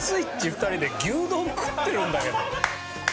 ２人で牛丼食ってるんだけど。